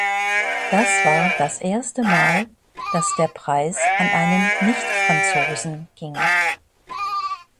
Das war das erste Mal, das der Preis an einen Nicht-Franzosen ging.